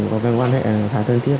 có quan hệ khá thân thiết